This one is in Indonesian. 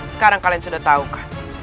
sekarang kalian sudah tahu kan